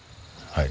はい。